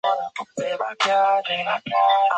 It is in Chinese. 绵阳市属温暖湿润的亚热带季风气候。